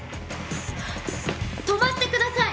止まってください！